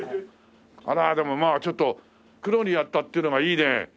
あらでもまあちょっと黒にやったっていうのがいいね。